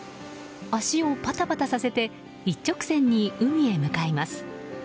脚をパタパタさせて一直線に海へ向かいます。